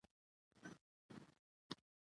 اداره د ټولنې د هوساینې لپاره کار کوي.